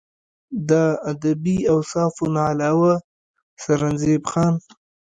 د ادبي اوصافو نه علاوه سرنزېب خان